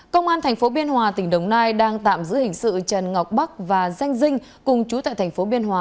công an tp biên hòa tỉnh đồng nai đang tạm giữ hình sự trần ngọc bắc và danh dinh cùng chú tại tp biên hòa